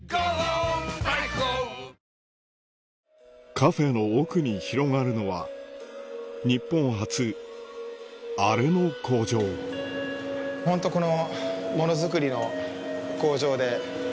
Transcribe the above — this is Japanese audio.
カフェの奥に広がるのは日本初アレの工場ホントこの。